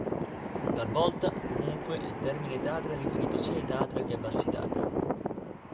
Talvolta, comunque, il termine Tatra è riferito sia ai Tatra che ai Bassi Tatra.